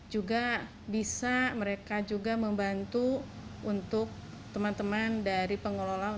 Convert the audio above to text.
juga bisa mereka juga membantu untuk teman teman dari pengelola obyek wisata ini